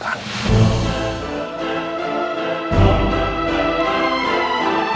tante menanggung al